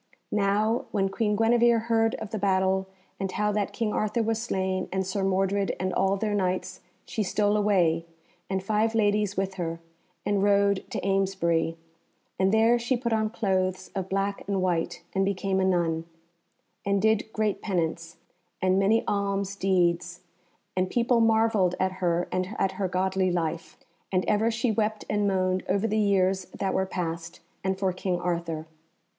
Now when Queen Guenevere heard of the battle, and how that King Arthur was slain and Sir Mordred and all their Knights, she stole away, and five ladies with her, and rode to Amesbury; and there she put on clothes of black and white, and became a nun, and did great penance, and many alms deeds, and people marvelled at her and at her godly life. And ever she wept and moaned over the years that were past, and for King Arthur.